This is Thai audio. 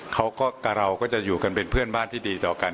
กับเราก็จะอยู่กันเป็นเพื่อนบ้านที่ดีต่อกัน